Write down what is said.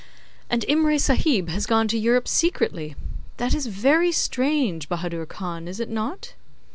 'And Imray Sahib has gone to Europe secretly! That is very strange, Bahadur Khan, is it not?